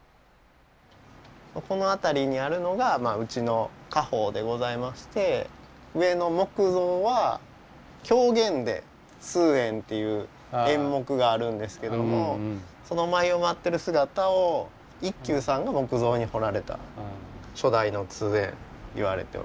この辺りにあるのがうちの家宝でございまして上の木像は狂言で「通円」という演目があるんですけどもその舞を舞っている姿を一休さんが木像に彫られた初代の通円といわれております。